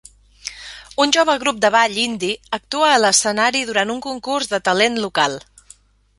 Un jove grup de ball indi actua a l'escenari durant un concurs de talent local.